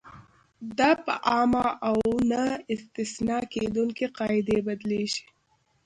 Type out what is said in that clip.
دا په عامې او نه استثنا کېدونکې قاعدې بدلیږي.